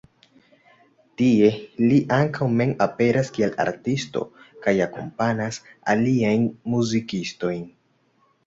Tie li ankaŭ mem aperas kiel artisto kaj akompanas aliajn muzikistojn.